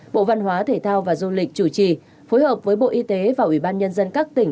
bộ văn hóa thể thao và du lịch chủ trì phối hợp với bộ y tế và ubnd các tỉnh